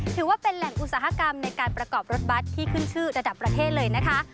ถือว่าเป็นแหล่งอุตสาหกรรมในการประกอบรถบัตรที่ขึ้นชื่อระดับประเทศเลยนะคะ